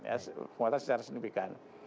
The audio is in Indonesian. penguatan secara signifikan